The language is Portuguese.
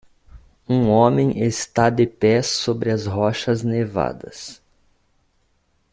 Um homem está de pé sobre as rochas nevadas.